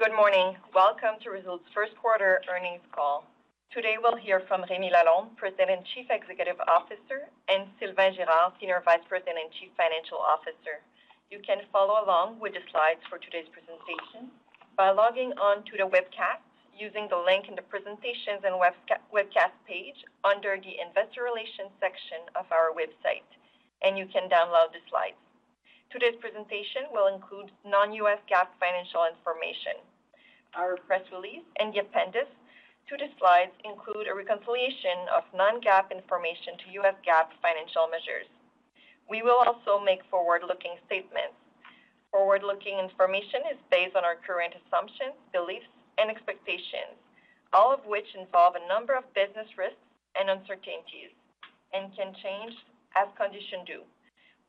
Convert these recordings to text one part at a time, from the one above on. Good morning. Welcome to Resolute first quarter earnings call. Today, we'll hear from Remi Lalonde, President and Chief Executive Officer, and Sylvain Girard, Senior Vice President and Chief Financial Officer. You can follow along with the slides for today's presentation by logging on to the webcast using the link in the presentations and webcast page under the Investor Relations section of our website, and you can download the slides. Today's presentation will include non-GAAP financial information. Our press release and the appendix to the slides include a reconciliation of non-GAAP information to U.S. GAAP financial measures. We will also make forward-looking statements. Forward-looking information is based on our current assumptions, beliefs, and expectations, all of which involve a number of business risks and uncertainties and can change as conditions do.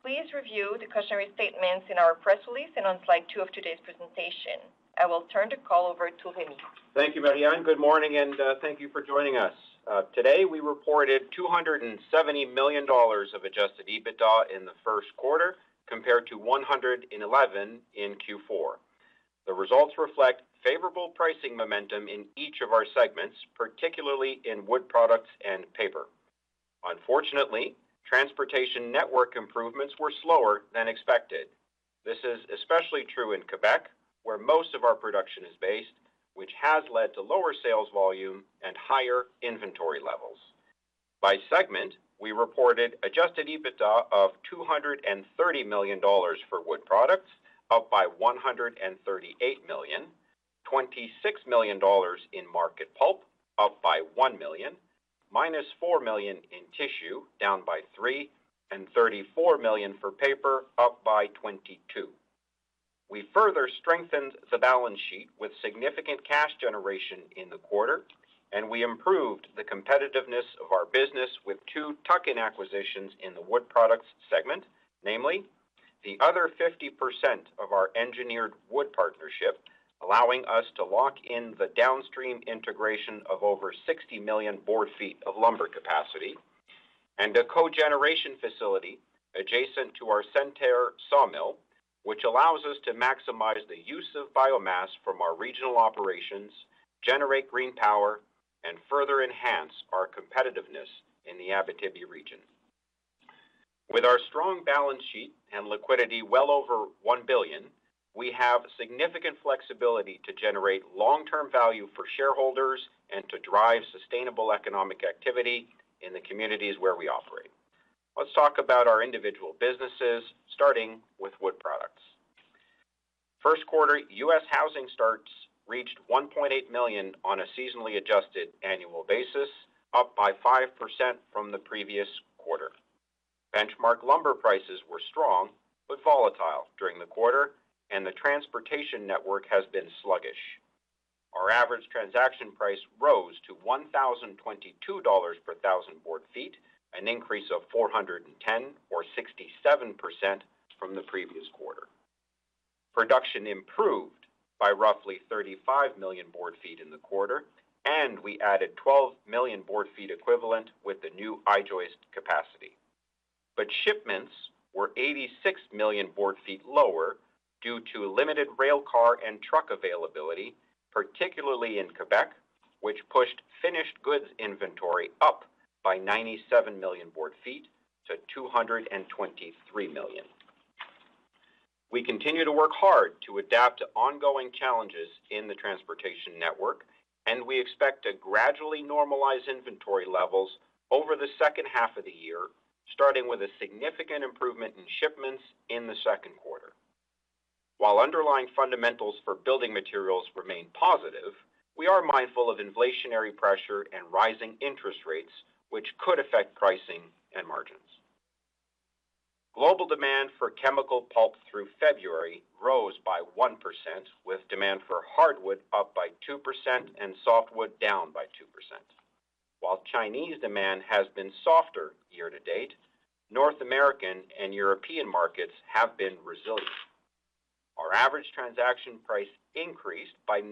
Please review the cautionary statements in our press release and on slide two of today's presentation. I will turn the call over to Remi. Thank you, Marianne. Good morning, and thank you for joining us. Today, we reported $270 million of adjusted EBITDA in the first quarter compared to $111 million in Q4. The results reflect favorable pricing momentum in each of our segments, particularly in wood products and paper. Unfortunately, transportation network improvements were slower than expected. This is especially true in Quebec, where most of our production is based, which has led to lower sales volume and higher inventory levels. By segment, we reported adjusted EBITDA of $230 million for wood products, up by $138 million, $26 million in market pulp, up by $1 million, -$4 million in tissue, down by $3 million, and $34 million for paper, up by $22 million. We further strengthened the balance sheet with significant cash generation in the quarter, and we improved the competitiveness of our business with two tuck-in acquisitions in the wood products segment, namely the other 50% of our engineered wood partnership, allowing us to lock in the downstream integration of over 60 million board feet of lumber capacity and a cogeneration facility adjacent to our Senneterre sawmill, which allows us to maximize the use of biomass from our regional operations, generate green power, and further enhance our competitiveness in the Abitibi region. With our strong balance sheet and liquidity well over $1 billion, we have significant flexibility to generate long-term value for shareholders and to drive sustainable economic activity in the communities where we operate. Let's talk about our individual businesses, starting with wood products. First quarter U.S. housing starts reached $1.8 million on a seasonally adjusted annual basis, up 5% from the previous quarter. Benchmark lumber prices were strong but volatile during the quarter, and the transportation network has been sluggish. Our average transaction price rose to $1,022 per thousand board feet, an increase of $410, or 67%, from the previous quarter. Production improved by roughly 35 million board feet in the quarter, and we added 12 million board feet equivalent with the new I-joist capacity. Shipments were 86 million board feet lower due to limited rail car and truck availability, particularly in Quebec, which pushed finished goods inventory up by 97 million board feet to 223 million. We continue to work hard to adapt to ongoing challenges in the transportation network, and we expect to gradually normalize inventory levels over the second half of the year, starting with a significant improvement in shipments in the second quarter. While underlying fundamentals for building materials remain positive, we are mindful of inflationary pressure and rising interest rates, which could affect pricing and margins. Global demand for chemical pulp through February rose by 1%, with demand for hardwood up by 2% and softwood down by 2%. While Chinese demand has been softer year to date, North American and European markets have been resilient. Our average transaction price increased by $9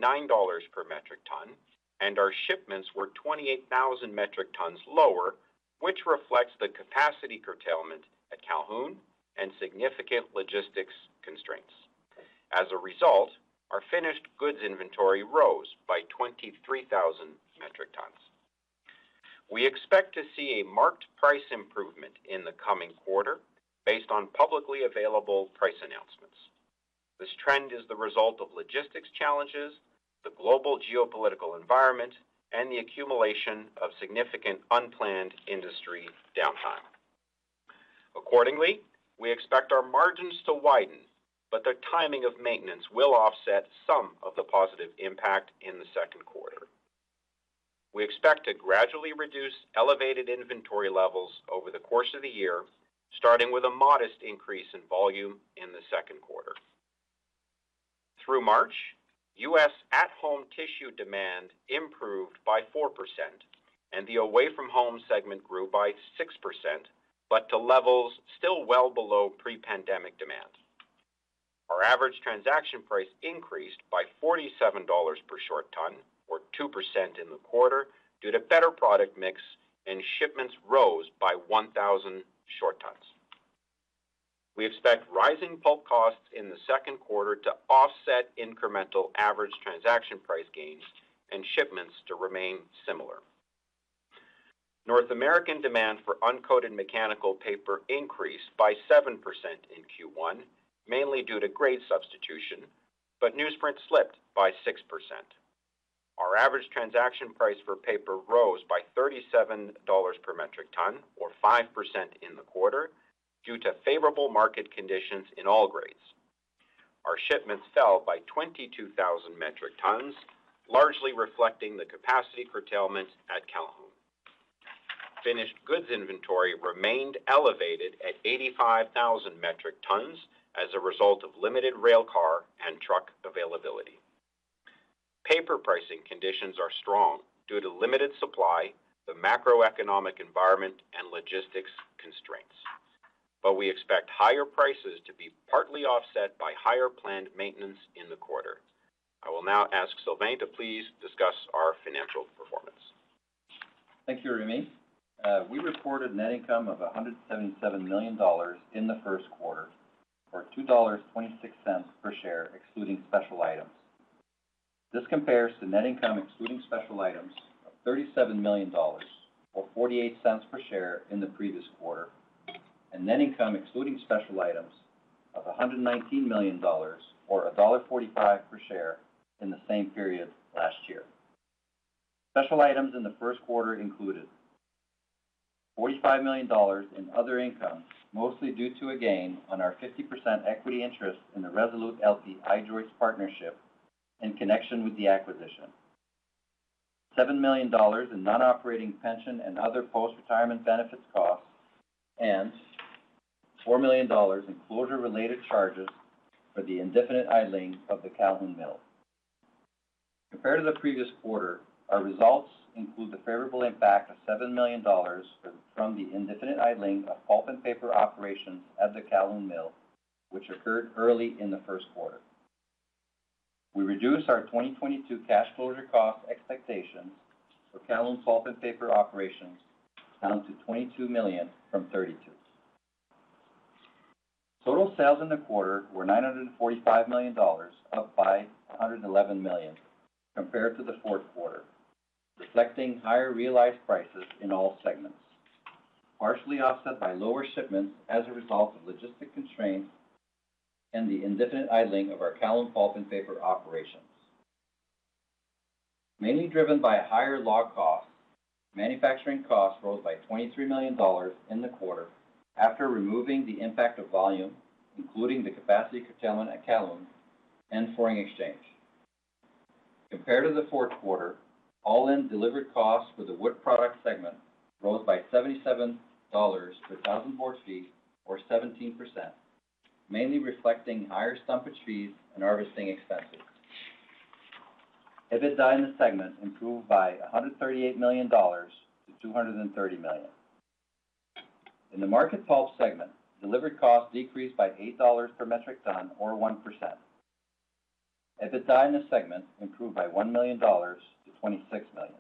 per metric ton, and our shipments were 28,000 metric tons lower, which reflects the capacity curtailment at Calhoun and significant logistics constraints. As a result, our finished goods inventory rose by 23,000 metric tons. We expect to see a marked price improvement in the coming quarter based on publicly available price announcements. This trend is the result of logistics challenges, the global geopolitical environment, and the accumulation of significant unplanned industry downtime. Accordingly, we expect our margins to widen, but the timing of maintenance will offset some of the positive impact in the second quarter. We expect to gradually reduce elevated inventory levels over the course of the year, starting with a modest increase in volume in the second quarter. Through March, U.S. at-home tissue demand improved by 4%, and the away-from-home segment grew by 6%, but to levels still well below pre-pandemic demand. Our average transaction price increased by $47 per short ton or 2% in the quarter due to better product mix, and shipments rose by 1,000 short tons. We expect rising pulp costs in the second quarter to offset incremental average transaction price gains and shipments to remain similar. North American demand for uncoated mechanical paper increased by 7% in Q1, mainly due to grade substitution, but newsprint slipped by 6%. Our average transaction price for paper rose by $37 per metric ton, or 5% in the quarter, due to favorable market conditions in all grades. Our shipments fell by 22,000 metric tons, largely reflecting the capacity curtailment at Calhoun. Finished goods inventory remained elevated at 85,000 metric tons as a result of limited rail car and truck availability. Paper pricing conditions are strong due to limited supply, the macroeconomic environment and logistics constraints, but we expect higher prices to be partly offset by higher planned maintenance in the quarter. I will now ask Sylvain to please discuss our financial performance. Thank you, Remi. We reported net income of $177 million in the first quarter, or $2.26 per share, excluding special items. This compares to net income excluding special items of $37 million or $0.48 per share in the previous quarter, and net income excluding special items of $119 million or $1.45 per share in the same period last year. Special items in the first quarter included $45 million in other income, mostly due to a gain on our 50% equity interest in Resolute-LP Engineered Wood in connection with the acquisition. $7 million in non-operating pension and other post-employment benefits costs, and $4 million in closure-related charges for the indefinite idling of the Calhoun Mill. Compared to the previous quarter, our results include the favorable impact of $7 million from the indefinite idling of pulp and paper operations at the Calhoun Mill, which occurred early in the first quarter. We reduced our 2022 cash closure cost expectations for Calhoun pulp and paper operations down to $22 million from $32 million. Total sales in the quarter were $945 million, up by $111 million compared to the fourth quarter, reflecting higher realized prices in all segments, partially offset by lower shipments as a result of logistical constraints and the indefinite idling of our Calhoun pulp and paper operations. Mainly driven by higher log costs, manufacturing costs rose by $23 million in the quarter after removing the impact of volume, including the capacity curtailment at Calhoun and foreign exchange. Compared to the fourth quarter, all-in delivered costs for the wood product segment rose by $77 per 1,000 board feet or 17%, mainly reflecting higher stumpage fees and harvesting expenses. EBITDA in the segment improved by $138 million to $230 million. In the market pulp segment, delivered costs decreased by $8 per metric ton or 1%. EBITDA in this segment improved by $1 million to $26 million.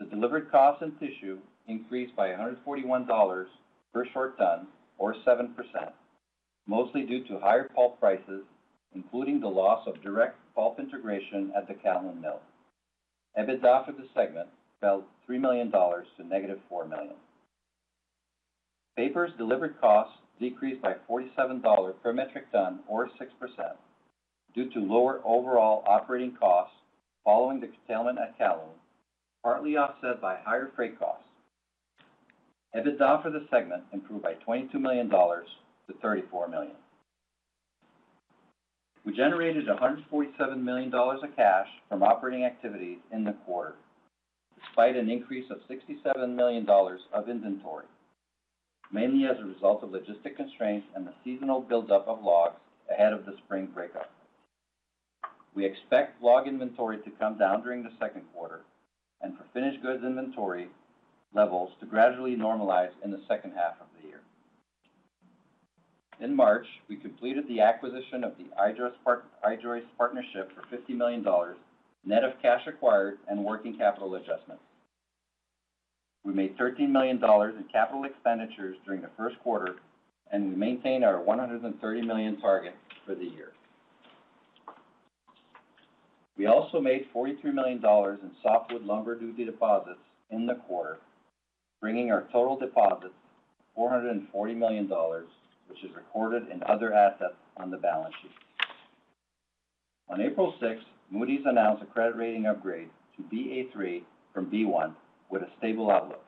The delivered cost in tissue increased by $141 per short ton or 7%, mostly due to higher pulp prices, including the loss of direct pulp integration at the Calhoun Mill. EBITDA for this segment fell $3 million to negative $4 million. Paper's delivered costs decreased by $47 per metric ton or 6% due to lower overall operating costs following the curtailment at Calhoun, partly offset by higher freight costs. EBITDA for this segment improved by $22 million-$34 million. We generated $147 million of cash from operating activities in the quarter, despite an increase of $67 million of inventory, mainly as a result of logistics constraints and the seasonal buildup of logs ahead of the spring breakup. We expect log inventory to come down during the second quarter and for finished goods inventory levels to gradually normalize in the second half of the year. In March, we completed the acquisition of the I-Joist Partnership for $50 million, net of cash acquired and working capital adjustments. We made $13 million in capital expenditures during the first quarter, and we maintain our $130 million target for the year. We also made $43 million in softwood lumber duty deposits in the quarter, bringing our total deposits to $440 million, which is recorded in other assets on the balance sheet. On April 6, Moody's announced a credit rating upgrade to Ba3 from B1 with a stable outlook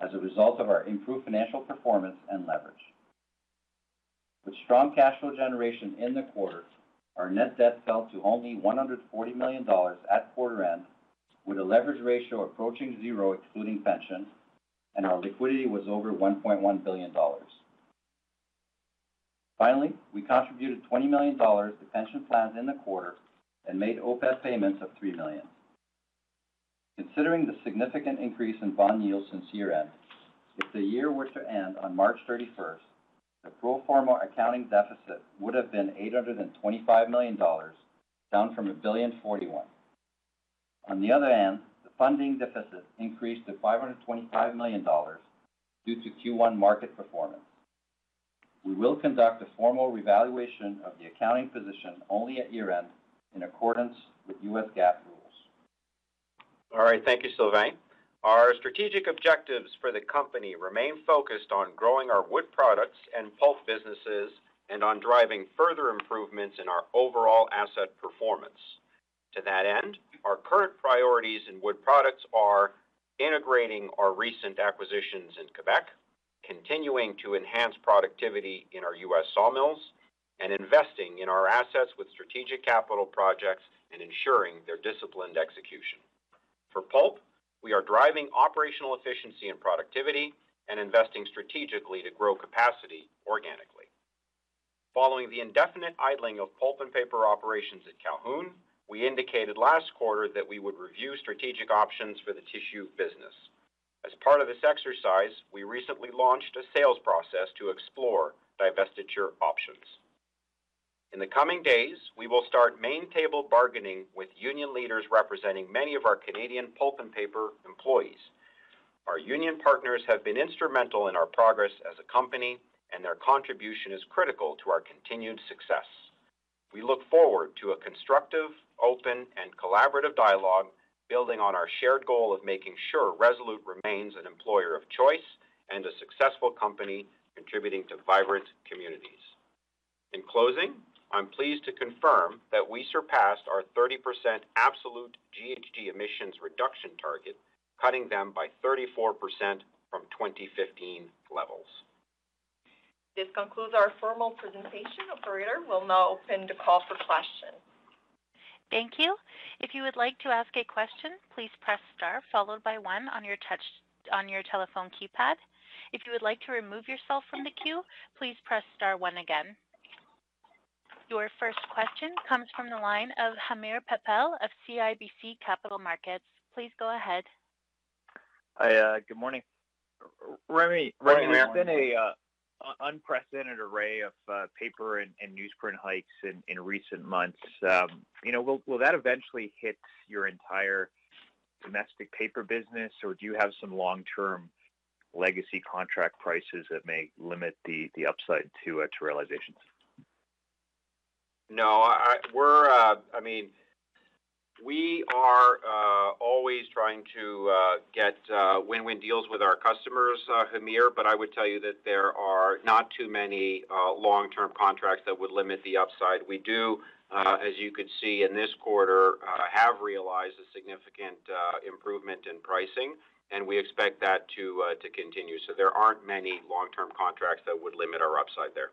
as a result of our improved financial performance and leverage. With strong cash flow generation in the quarter, our net debt fell to only $140 million at quarter end, with a leverage ratio approaching zero excluding pension, and our liquidity was over $1.1 billion. Finally, we contributed $20 million to pension plans in the quarter and made OPEB payments of $3 million. Considering the significant increase in bond yields since year-end, if the year were to end on March 31, the pro forma accounting deficit would have been $825 million, down from $1,041 million. On the other hand, the funding deficit increased to $525 million due to Q1 market performance. We will conduct a formal revaluation of the accounting position only at year-end in accordance with U.S. GAAP rules. All right, thank you, Sylvain. Our strategic objectives for the company remain focused on growing our Wood Products and Pulp businesses and on driving further improvements in our overall asset performance. To that end, our current priorities in Wood Products are integrating our recent acquisitions in Quebec, continuing to enhance productivity in our U.S. sawmills, and investing in our assets with strategic capital projects and ensuring their disciplined execution. For Pulp, we are driving operational efficiency and productivity and investing strategically to grow capacity organically. Following the indefinite idling of pulp and paper operations at Calhoun, we indicated last quarter that we would review strategic options for the tissue business. As part of this exercise, we recently launched a sales process to explore divestiture options. In the coming days, we will start main table bargaining with union leaders representing many of our Canadian Pulp and Paper employees. Our union partners have been instrumental in our progress as a company, and their contribution is critical to our continued success. We look forward to a constructive, open, and collaborative dialogue building on our shared goal of making sure Resolute remains an employer of choice and a successful company contributing to vibrant communities. In closing, I'm pleased to confirm that we surpassed our 30% absolute GHG emissions reduction target, cutting them by 34% from 2015 levels. This concludes our formal presentation. Operator, we'll now open the call for questions. Thank you. If you would like to ask a question, please press star followed by one on your telephone keypad. If you would like to remove yourself from the queue, please press star one again. Your first question comes from the line of Hamir Patel of CIBC Capital Markets. Please go ahead. Hi, good morning. Remi Remi, how are you? There's been an unprecedented array of paper and newsprint hikes in recent months. You know, will that eventually hit your entire domestic paper business, or do you have some long-term legacy contract prices that may limit the upside to realizations? No. I mean, we are always trying to get win-win deals with our customers, Hamir, but I would tell you that there are not too many long-term contracts that would limit the upside. We do, as you could see in this quarter, have realized a significant improvement in pricing, and we expect that to continue. There aren't many long-term contracts that would limit our upside there.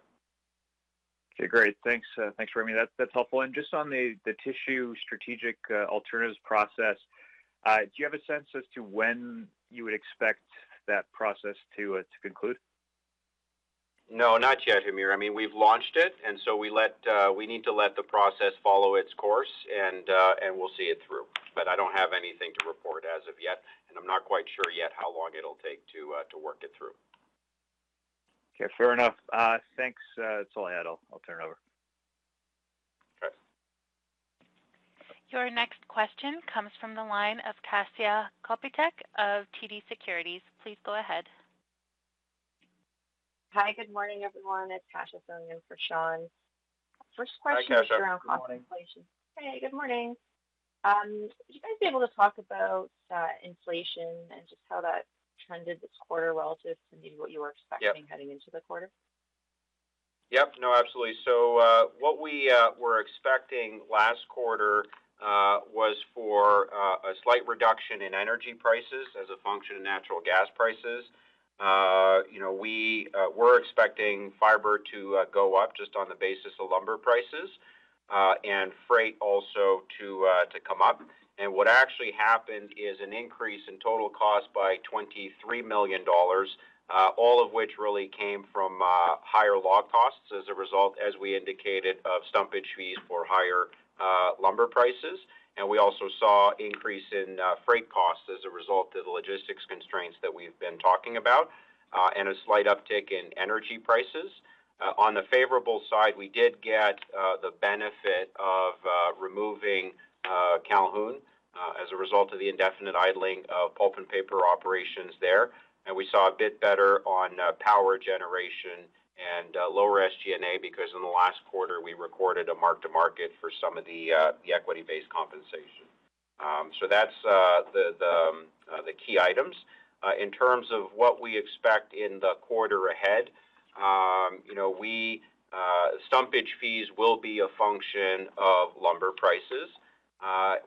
Okay, great. Thanks, Remi. That's helpful. Just on the tissue strategic alternatives process, do you have a sense as to when you would expect that process to conclude? No, not yet, Hamir. I mean, we've launched it, we need to let the process follow its course and we'll see it through. I don't have anything to report as of yet, and I'm not quite sure yet how long it'll take to work it through. Okay, fair enough. Thanks. That's all I had. I'll turn it over. Okay. Your next question comes from the line of Kasia Trzaski Kopytek of TD Securities. Please go ahead. Hi, good morning, everyone. It's Kasia filling in for Sean. Hi, Kasia. Good morning. First question is around cost inflation. Hey, good morning. Would you guys be able to talk about inflation and just how that trended this quarter relative to maybe what you were expecting? Yep. heading into the quarter? Yep. No, absolutely. What we were expecting last quarter was for a slight reduction in energy prices as a function of natural gas prices. You know, we were expecting fiber to go up just on the basis of lumber prices, and freight also to come up. What actually happened is an increase in total cost by $23 million, all of which really came from higher log costs as a result, as we indicated, of stumpage fees for higher lumber prices. We also saw an increase in freight costs as a result of the logistics constraints that we've been talking about, and a slight uptick in energy prices. On the favorable side, we did get the benefit of removing Calhoun as a result of the indefinite idling of pulp and paper operations there. We saw a bit better on power generation and lower SG&A because in the last quarter we recorded a mark-to-market for some of the equity-based compensation. That's the key items. In terms of what we expect in the quarter ahead, you know, stumpage fees will be a function of lumber prices.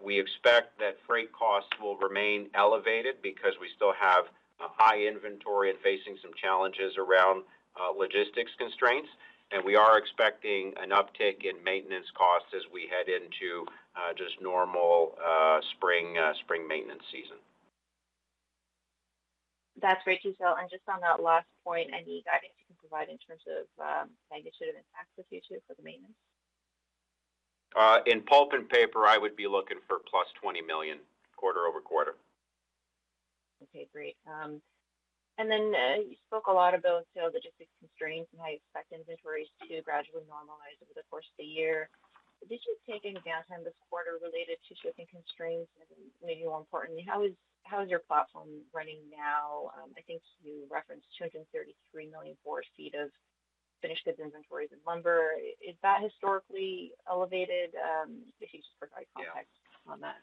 We expect that freight costs will remain elevated because we still have a high inventory and facing some challenges around logistics constraints. We are expecting an uptick in maintenance costs as we head into just normal spring maintenance season. That's great. Just on that last point, any guidance you can provide in terms of, magnitude and impact with you two for the maintenance? In pulp and paper, I would be looking for +$20 million quarter-over-quarter. Okay, great. You spoke a lot about sales logistics constraints and how you expect inventories to gradually normalize over the course of the year. Did you take any downtime this quarter related to shipping constraints? Maybe more importantly, how is your platform running now? I think you referenced 233 million board feet of finished goods inventories and lumber. Is that historically elevated? If you could just provide context. Yeah on that.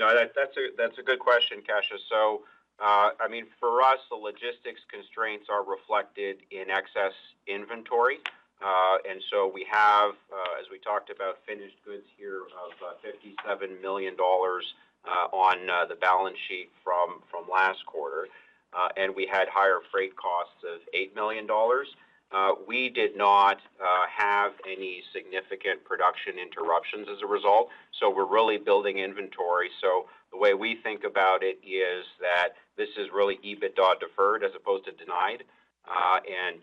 No, that's a good question, Kasia. I mean, for us, the logistics constraints are reflected in excess inventory. We have, as we talked about, finished goods here of $57 million on the balance sheet from last quarter. We had higher freight costs of $8 million. We did not have any significant production interruptions as a result, so we're really building inventory. The way we think about it is that this is really EBITDA deferred as opposed to denied.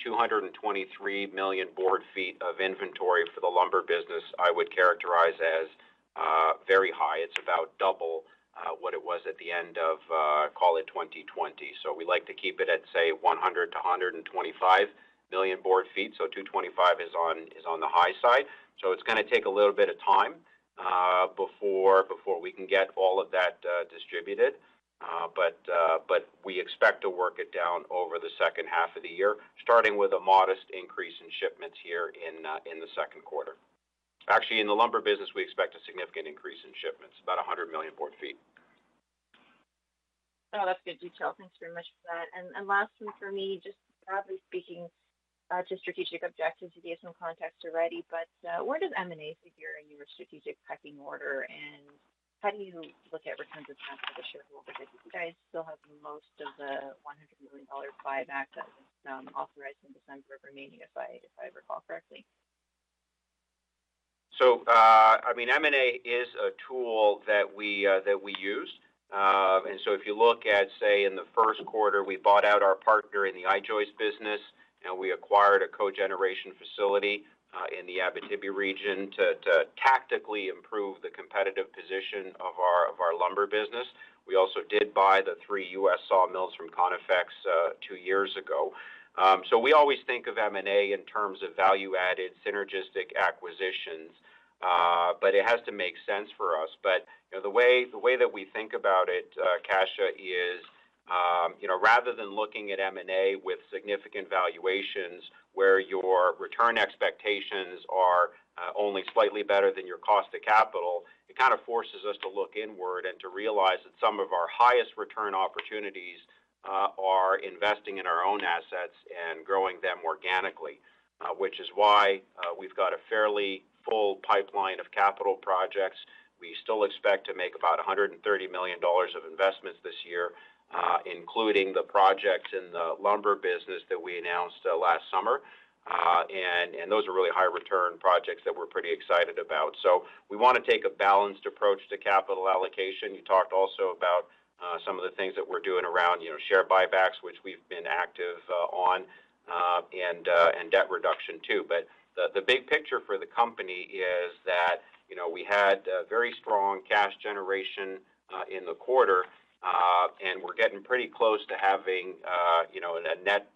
223 million board feet of inventory for the lumber business, I would characterize as very high. It's about double what it was at the end of call it 2020. We like to keep it at, say, 100 million -125 million board feet. 225 is on the high side. It's gonna take a little bit of time before we can get all of that distributed. But we expect to work it down over the second half of the year, starting with a modest increase in shipments here in the second quarter. Actually, in the lumber business, we expect a significant increase in shipments, about 100 million board feet. Oh, that's good detail. Thanks very much for that. Last one for me, just broadly speaking, to strategic objectives, you gave some context already, but where does M&A figure in your strategic pecking order, and how do you look at returns with time for the shareholder bit? You guys still have most of the $100 million buyback that was authorized in December remaining, if I recall correctly. I mean, M&A is a tool that we use. If you look at, say, in the first quarter, we bought out our partner in the I-joist business, and we acquired a cogeneration facility in the Abitibi region to tactically improve the competitive position of our lumber business. We also did buy the three U.S. sawmills from Conifex two years ago. We always think of M&A in terms of value-added synergistic acquisitions, but it has to make sense for us. You know, the way that we think about it, Kasia is, you know, rather than looking at M&A with significant valuations where your return expectations are only slightly better than your cost of capital, it kind of forces us to look inward and to realize that some of our highest return opportunities are investing in our own assets and growing them organically. Which is why we've got a fairly full pipeline of capital projects. We still expect to make about $130 million of investments this year, including the projects in the lumber business that we announced last summer. Those are really high return projects that we're pretty excited about. We wanna take a balanced approach to capital allocation. You talked also about some of the things that we're doing around, you know, share buybacks, which we've been active on, and debt reduction too. The big picture for the company is that, you know, we had a very strong cash generation in the quarter, and we're getting pretty close to having, you know, a net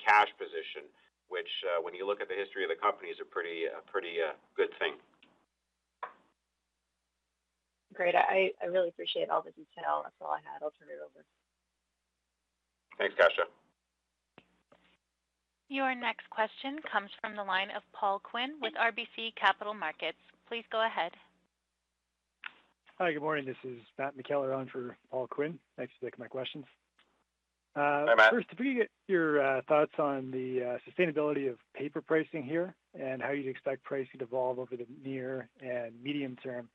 cash position, which, when you look at the history of the company is a pretty good thing. Great. I really appreciate all the detail. That's all I had. I'll turn it over. Thanks, Kasia. Your next question comes from the line of Paul Quinn with RBC Capital Markets. Please go ahead. Hi, good morning. This is Matthew McKellar on for Paul Quinn. Thanks for taking my questions. Hi, Matt. First, if we could get your thoughts on the sustainability of paper pricing here and how you expect pricing to evolve over the near and medium term,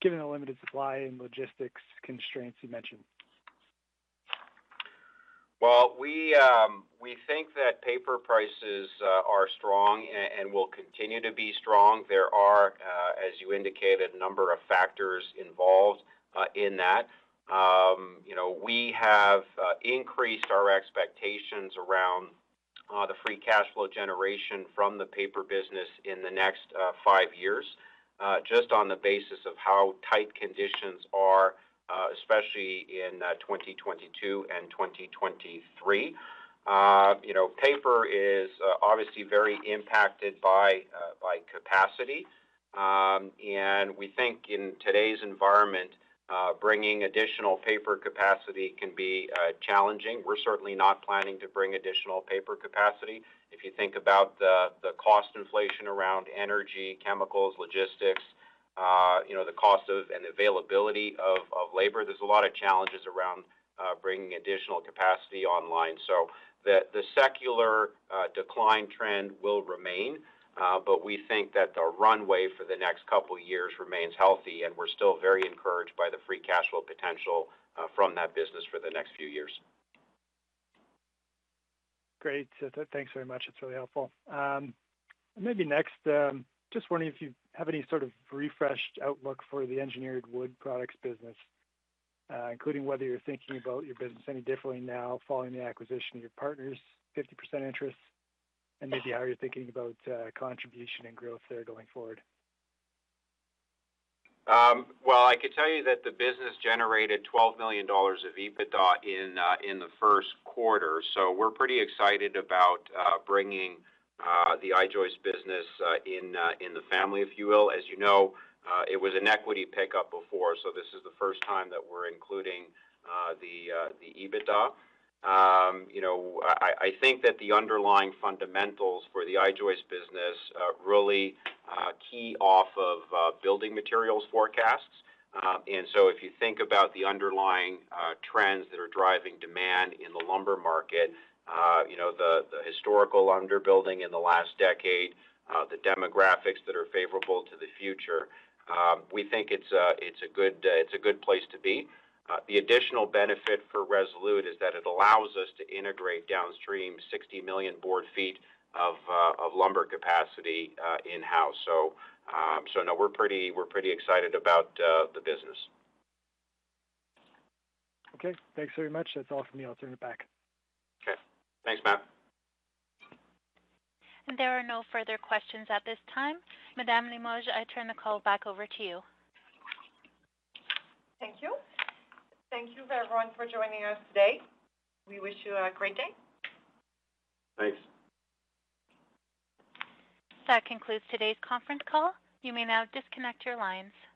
given the limited supply and logistics constraints you mentioned? Well, we think that paper prices are strong and will continue to be strong. There are, as you indicated, a number of factors involved in that. You know, we have increased our expectations around the free cash flow generation from the paper business in the next five years, just on the basis of how tight conditions are, especially in 2022 and 2023. You know, paper is obviously very impacted by capacity. We think in today's environment, bringing additional paper capacity can be challenging. We're certainly not planning to bring additional paper capacity. If you think about the cost inflation around energy, chemicals, logistics, you know, the cost of and availability of labor, there's a lot of challenges around bringing additional capacity online. The secular decline trend will remain, but we think that the runway for the next couple years remains healthy, and we're still very encouraged by the free cash flow potential from that business for the next few years. Great. Thanks very much. That's really helpful. Maybe next, just wondering if you have any sort of refreshed outlook for the engineered wood products business, including whether you're thinking about your business any differently now following the acquisition of your partner's 50% interest, and maybe how you're thinking about contribution and growth there going forward? Well, I could tell you that the business generated $12 million of EBITDA in the first quarter. We're pretty excited about bringing the I-joist business in the family, if you will. As you know, it was an equity pickup before, so this is the first time that we're including the EBITDA. You know, I think that the underlying fundamentals for the I-joist business really key off of building materials forecasts. If you think about the underlying trends that are driving demand in the lumber market, you know, the historical underbuilding in the last decade, the demographics that are favorable to the future, we think it's a good place to be. The additional benefit for Resolute is that it allows us to integrate downstream 60 million board feet of lumber capacity in-house. We're pretty excited about the business. Okay. Thanks very much. That's all for me. I'll turn it back. Okay. Thanks, Matt. There are no further questions at this time. Marianne Limoges, I turn the call back over to you. Thank you. Thank you, everyone, for joining us today. We wish you a great day. Thanks. That concludes today's conference call. You may now disconnect your lines.